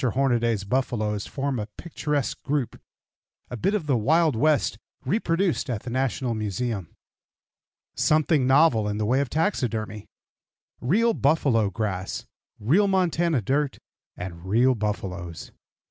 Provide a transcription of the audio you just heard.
HORNADAY'S BUFFALOES FORM A PICTURESQUE GROUP A BIT OF THE WILD WEST REPRODUCED AT THE NATIONAL MUSEUM SOMETHING NOVEL IN THE WAY OF TAXIDERMY REAL BUFFALO GRASS, REAL MONTANA DIRT, AND REAL BUFFALOES.